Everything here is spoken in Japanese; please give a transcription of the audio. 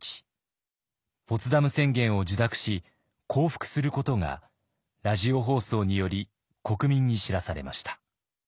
ポツダム宣言を受諾し降伏することがラジオ放送により国民に知らされました。